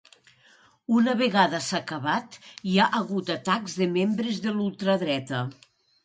Una vegada s’ha acabat hi ha hagut atacs de membres de l’ultradreta.